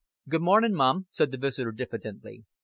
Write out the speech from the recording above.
"Good mornin', mum," said the visitor, diffidently.